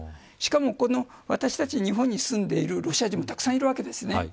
しかも日本に住んでいるロシア人もたくさんいるわけです。